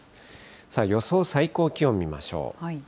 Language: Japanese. さあ、予想最高気温を見ましょう。